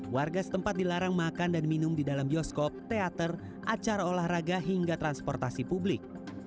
warga setempat dilarang makan dan minum di dalam bioskop teater acara olahraga hingga transportasi publik